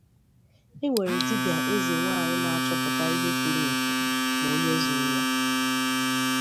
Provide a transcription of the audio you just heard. E nwere dibia/Ezenwanyị na-achọpụta ihe furu efu na onye zuru ya.